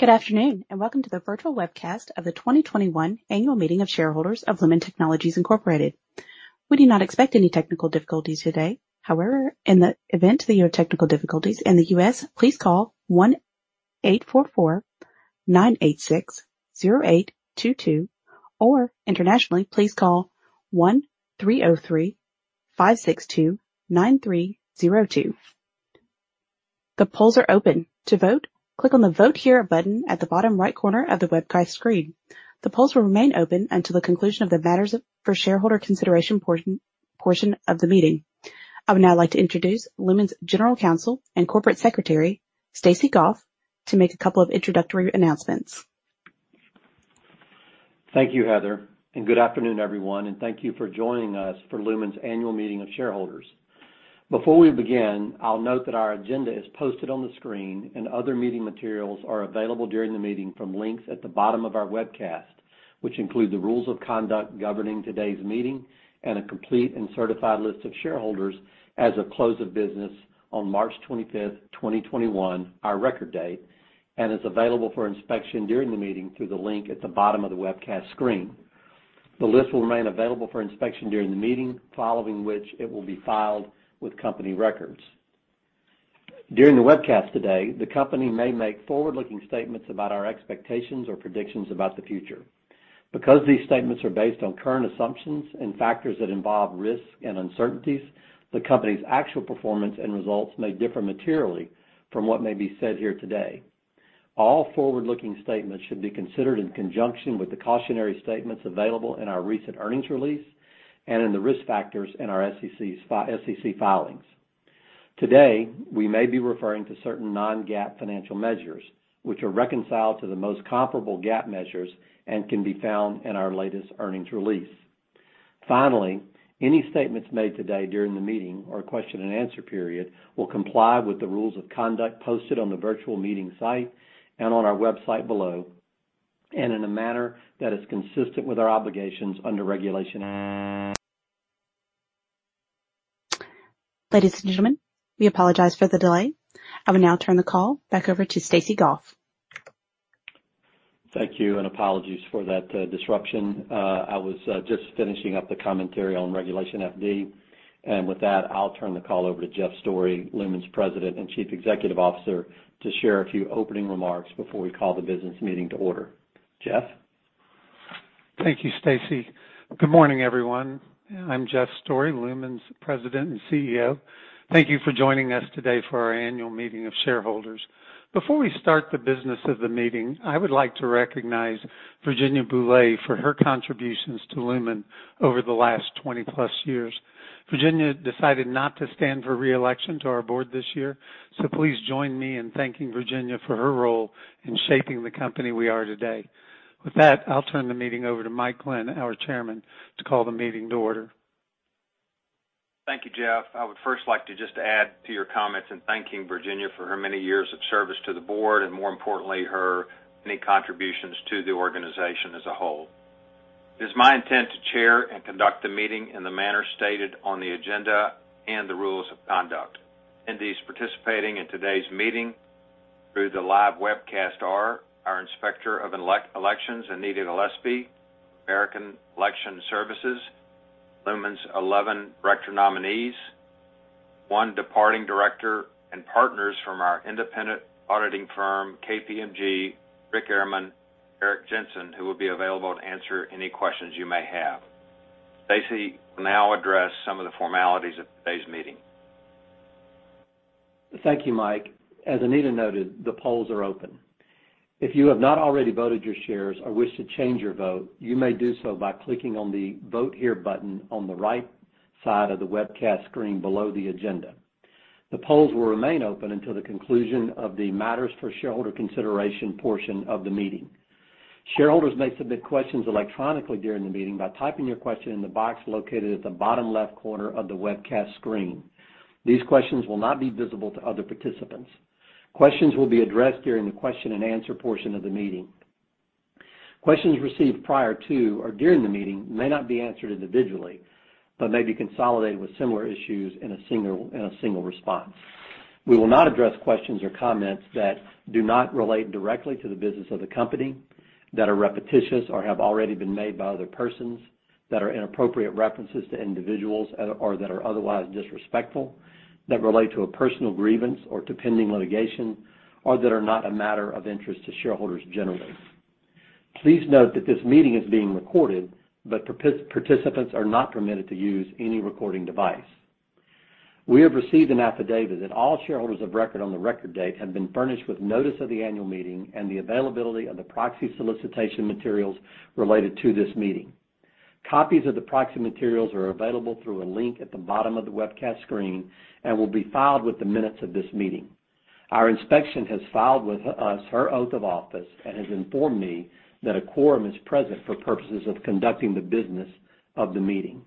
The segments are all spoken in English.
Good afternoon and welcome to the virtual webcast of the 2021 Annual Meeting of Shareholders of Lumen Technologies Incorporated. We do not expect any technical difficulties today. However, in the event that you have technical difficulties in the U.S., please call 1-844-986-0822, or internationally, please call 1-303-562-9302. The polls are open. To vote, click on the "Vote Here" button at the bottom right corner of the webcast screen. The polls will remain open until the conclusion of the matters for shareholder consideration portion of the meeting. I would now like to introduce Lumen's General Counsel and Corporate Secretary, Stacey Goff, to make a couple of introductory announcements. Thank you, Heather, and good afternoon, everyone, and thank you for joining us for Lumen's Annual Meeting of Shareholders. Before we begin, I'll note that our agenda is posted on the screen, and other meeting materials are available during the meeting from links at the bottom of our webcast, which include the rules of conduct governing today's meeting and a complete and certified list of shareholders as of close of business on March 25th, 2021, our record date, and is available for inspection during the meeting through the link at the bottom of the webcast screen. The list will remain available for inspection during the meeting, following which it will be filed with Company Records. During the webcast today, the company may make forward-looking statements about our expectations or predictions about the future. Because these statements are based on current assumptions and factors that involve risk and uncertainties, the company's actual performance and results may differ materially from what may be said here today. All forward-looking statements should be considered in conjunction with the cautionary statements available in our recent earnings release and in the risk factors in our SEC filings. Today, we may be referring to certain non-GAAP financial measures, which are reconciled to the most comparable GAAP measures and can be found in our latest earnings release. Finally, any statements made today during the meeting or question and answer period will comply with the rules of conduct posted on the virtual meeting site and on our website below, and in a manner that is consistent with our obligations under Regulation FD. Ladies and gentlemen, we apologize for the delay. I will now turn the call back over to Stacey Goff. Thank you and apologies for that disruption. I was just finishing up the commentary on Regulation FD, and with that, I'll turn the call over to Jeff Storey, Lumen's President and Chief Executive Officer, to share a few opening remarks before we call the business meeting to order. Jeff? Thank you, Stacey. Good morning, everyone. I'm Jeff Storey, Lumen's President and CEO. Thank you for joining us today for our Annual Meeting of Shareholders. Before we start the business of the meeting, I would like to recognize Virginia Boulet for her contributions to Lumen over the last 20+ years. Virginia decided not to stand for reelection to our board this year, so please join me in thanking Virginia for her role in shaping the company we are today. With that, I'll turn the meeting over to Mike Glenn, our Chairman, to call the meeting to order. Thank you, Jeff. I would first like to just add to your comments in thanking Virginia for her many years of service to the board and, more importantly, her many contributions to the organization as a whole. It is my intent to chair and conduct the meeting in the manner stated on the agenda and the rules of conduct. Indeed, participating in today's meeting through the live webcast are our Inspector of Elections Anita Gillespie, American Election Services, Lumen's 11 Director Nominees, one departing Director, and partners from our independent auditing firm, KPMG, Rick Ehrman, and Eric Jensen, who will be available to answer any questions you may have. Stacey will now address some of the formalities of today's meeting. Thank you, Mike. As Anita noted, the polls are open. If you have not already voted your shares or wish to change your vote, you may do so by clicking on the "Vote Here" button on the right side of the webcast screen below the agenda. The polls will remain open until the conclusion of the matters for shareholder consideration portion of the meeting. Shareholders may submit questions electronically during the meeting by typing your question in the box located at the bottom left corner of the webcast screen. These questions will not be visible to other participants. Questions will be addressed during the question and answer portion of the meeting. Questions received prior to or during the meeting may not be answered individually but may be consolidated with similar issues in a single response. We will not address questions or comments that do not relate directly to the business of the company, that are repetitious or have already been made by other persons, that are inappropriate references to individuals or that are otherwise disrespectful, that relate to a personal grievance or to pending litigation, or that are not a matter of interest to shareholders generally. Please note that this meeting is being recorded, but participants are not permitted to use any recording device. We have received an affidavit that all shareholders of record on the record date have been furnished with notice of the annual meeting and the availability of the proxy solicitation materials related to this meeting. Copies of the proxy materials are available through a link at the bottom of the webcast screen and will be filed with the minutes of this meeting. Our inspector has filed with us her oath of office and has informed me that a quorum is present for purposes of conducting the business of the meeting.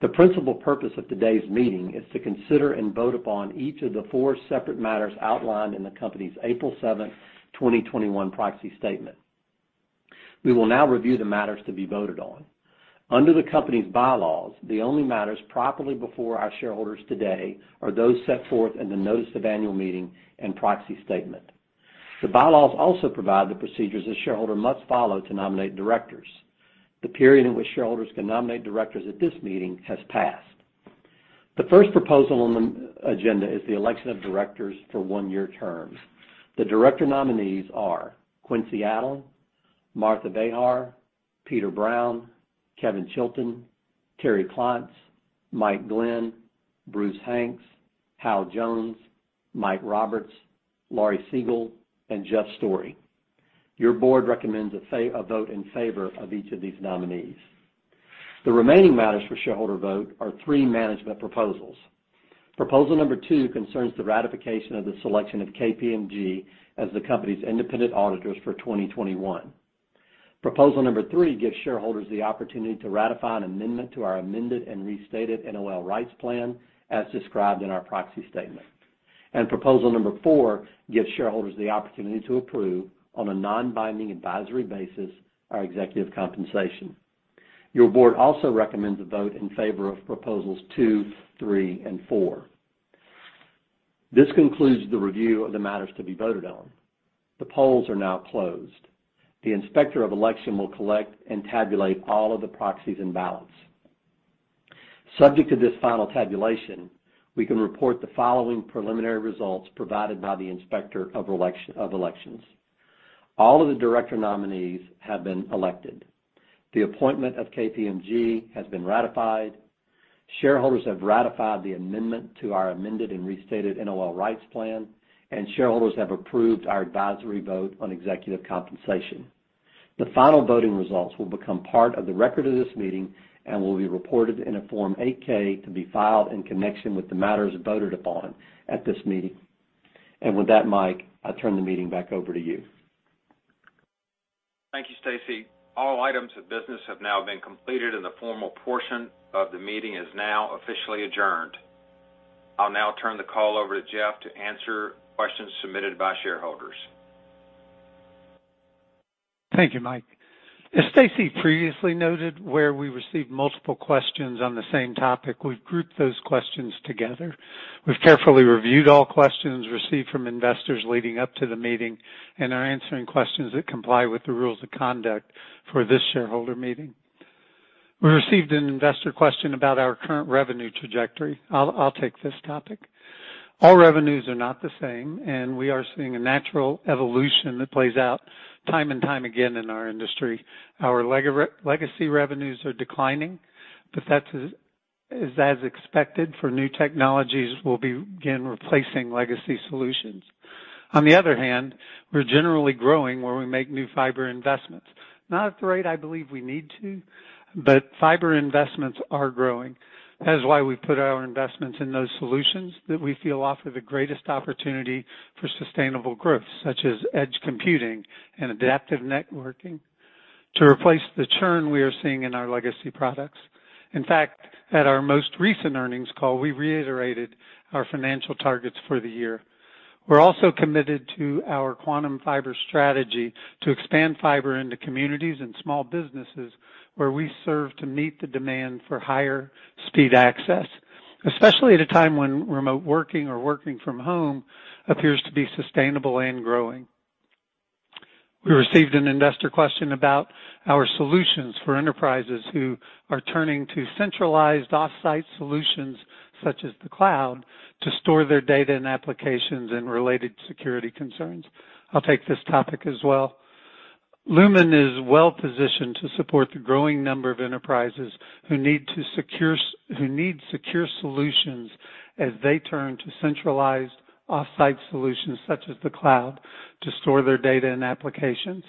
The principal purpose of today's meeting is to consider and vote upon each of the four separate matters outlined in the company's April 7, 2021, proxy statement. We will now review the matters to be voted on. Under the company's bylaws, the only matters properly before our shareholders today are those set forth in the notice of annual meeting and proxy statement. The bylaws also provide the procedures a shareholder must follow to nominate directors. The period in which shareholders can nominate directors at this meeting has passed. The first proposal on the agenda is the election of directors for one-year terms. The Director Nominees are Quincy Adam, Martha Behar, Peter Brown, Kevin Chilton, Terry Klotz, Mike Glenn, Bruce Hanks, Hal Jones, Mike Roberts, Laurie Siegel, and Jeff Storey. Your board recommends a vote in favor of each of these nominees. The remaining matters for shareholder vote are three management proposals. Proposal number two concerns the ratification of the selection of KPMG as the company's independent auditors for 2021. Proposal number three gives shareholders the opportunity to ratify an amendment to our amended and restated NOL Rights Plan as described in our proxy statement. Proposal number four gives shareholders the opportunity to approve, on a non-binding advisory basis, our executive compensation. Your board also recommends a vote in favor of proposals two, three, and four. This concludes the review of the matters to be voted on. The polls are now closed. The Inspector of Election will collect and tabulate all of the proxies in balance. Subject to this final tabulation, we can report the following preliminary results provided by the Inspector of Election. All of the Director Nominees have been elected. The appointment of KPMG has been ratified. Shareholders have ratified the amendment to our amended and restated NOL Rights Plan, and shareholders have approved our advisory vote on executive compensation. The final voting results will become part of the record of this meeting and will be reported in a Form 8-K to be filed in connection with the matters voted upon at this meeting. Mike, I turn the meeting back over to you. Thank you, Stacey. All items of business have now been completed, and the formal portion of the meeting is now officially adjourned. I'll now turn the call over to Jeff to answer questions submitted by shareholders. Thank you, Mike. As Stacey previously noted, where we received multiple questions on the same topic, we've grouped those questions together. We've carefully reviewed all questions received from investors leading up to the meeting and are answering questions that comply with the rules of conduct for this shareholder meeting. We received an investor question about our current revenue trajectory. I'll take this topic. All revenues are not the same, and we are seeing a natural evolution that plays out time and time again in our industry. Our legacy revenues are declining, but that is as expected. For new technologies, we'll begin replacing legacy solutions. On the other hand, we're generally growing where we make new fiber investments. Not at the rate I believe we need to, but fiber investments are growing. That is why we put our investments in those solutions that we feel offer the greatest opportunity for sustainable growth, such as edge computing and adaptive networking, to replace the churn we are seeing in our legacy products. In fact, at our most recent earnings call, we reiterated our financial targets for the year. We're also committed to our Quantum Fiber strategy to expand fiber into communities and small businesses where we serve to meet the demand for higher speed access, especially at a time when remote working or working from home appears to be sustainable and growing. We received an investor question about our solutions for enterprises who are turning to centralized off-site solutions, such as the cloud, to store their data and applications and related security concerns. I'll take this topic as well. Lumen is well positioned to support the growing number of enterprises who need secure solutions as they turn to centralized off-site solutions, such as the cloud, to store their data and applications.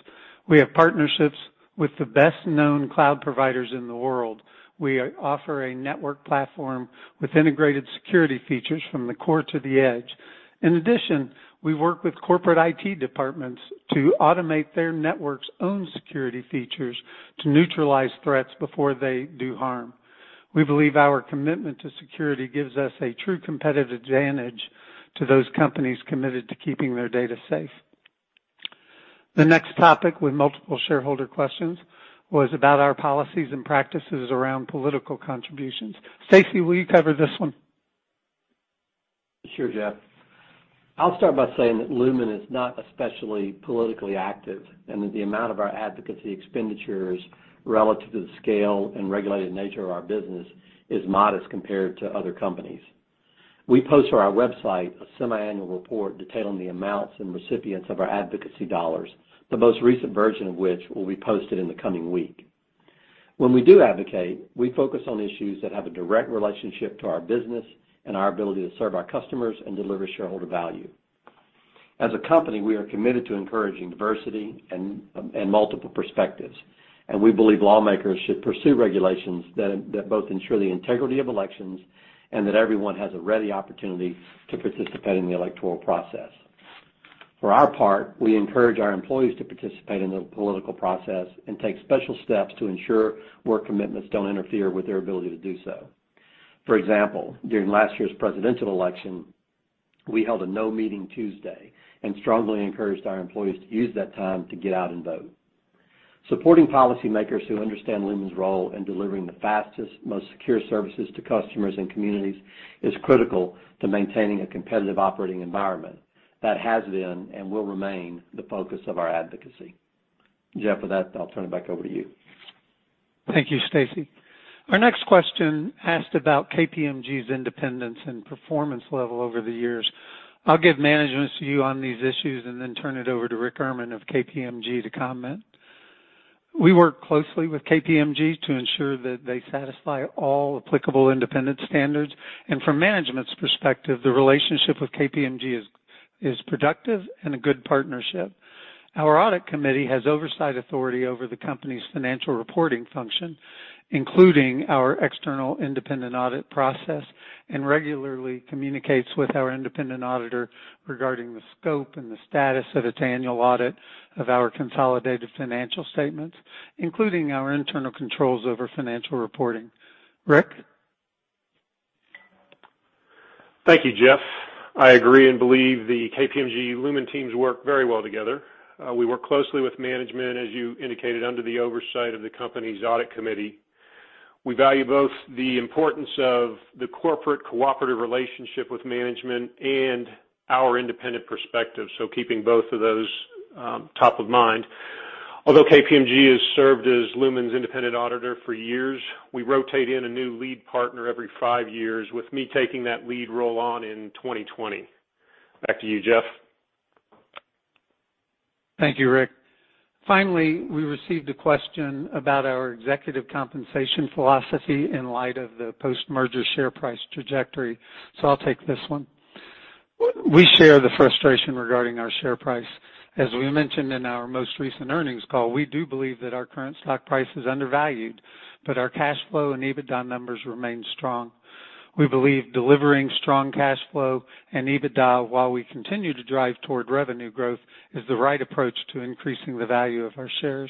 We have partnerships with the best-known cloud providers in the world. We offer a network platform with integrated security features from the core to the edge. In addition, we work with corporate IT departments to automate their network's own security features to neutralize threats before they do harm. We believe our commitment to security gives us a true competitive advantage to those companies committed to keeping their data safe. The next topic with multiple shareholder questions was about our policies and practices around political contributions. Stacey, will you cover this one? Sure, Jeff. I'll start by saying that Lumen is not especially politically active and that the amount of our advocacy expenditures relative to the scale and regulated nature of our business is modest compared to other companies. We post on our website a semi-annual report detailing the amounts and recipients of our advocacy dollars, the most recent version of which will be posted in the coming week. When we do advocate, we focus on issues that have a direct relationship to our business and our ability to serve our customers and deliver shareholder value. As a company, we are committed to encouraging diversity and multiple perspectives, and we believe lawmakers should pursue regulations that both ensure the integrity of elections and that everyone has a ready opportunity to participate in the electoral process. For our part, we encourage our employees to participate in the political process and take special steps to ensure work commitments do not interfere with their ability to do so. For example, during last year's presidential election, we held a no-meeting Tuesday and strongly encouraged our employees to use that time to get out and vote. Supporting policymakers who understand Lumen's role in delivering the fastest, most secure services to customers and communities is critical to maintaining a competitive operating environment that has been and will remain the focus of our advocacy. Jeff, with that, I'll turn it back over to you. Thank you, Stacey. Our next question asked about KPMG's independence and performance level over the years. I'll give management to you on these issues and then turn it over to Rick Ehrman of KPMG to comment. We work closely with KPMG to ensure that they satisfy all applicable independent standards. From management's perspective, the relationship with KPMG is productive and a good partnership. Our audit committee has oversight authority over the company's financial reporting function, including our external independent audit process, and regularly communicates with our independent auditor regarding the scope and the status of its annual audit of our consolidated financial statements, including our internal controls over financial reporting. Rick? Thank you, Jeff. I agree and believe the KPMG-Lumen teams work very well together. We work closely with management, as you indicated, under the oversight of the company's audit committee. We value both the importance of the corporate cooperative relationship with management and our independent perspective, so keeping both of those top of mind. Although KPMG has served as Lumen's independent auditor for years, we rotate in a new lead partner every five years, with me taking that lead role on in 2020. Back to you, Jeff. Thank you, Rick. Finally, we received a question about our executive compensation philosophy in light of the post-merger share price trajectory, so I'll take this one. We share the frustration regarding our share price. As we mentioned in our most recent earnings call, we do believe that our current stock price is undervalued, but our cash flow and EBITDA numbers remain strong. We believe delivering strong cash flow and EBITDA while we continue to drive toward revenue growth is the right approach to increasing the value of our shares.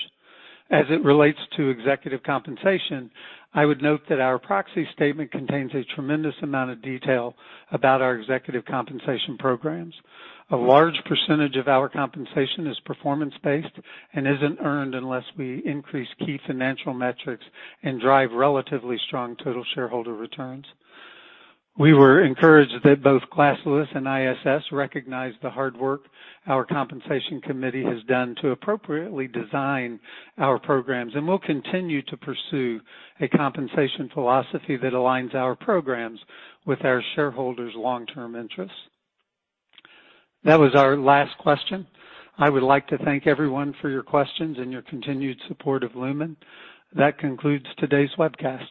As it relates to executive compensation, I would note that our proxy statement contains a tremendous amount of detail about our executive compensation programs. A large percentage of our compensation is performance-based and isn't earned unless we increase key financial metrics and drive relatively strong total shareholder returns. We were encouraged that both Glass Lewis and ISS recognize the hard work our compensation committee has done to appropriately design our programs and will continue to pursue a compensation philosophy that aligns our programs with our shareholders' long-term interests. That was our last question. I would like to thank everyone for your questions and your continued support of Lumen. That concludes today's webcast.